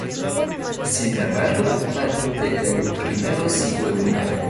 Sin embargo, parte del primero sigue unida.